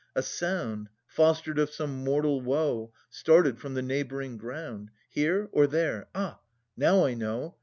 A sound Fostered of some mortal woe. Started from the neighbouring ground. Here, or there? Ah! now I know.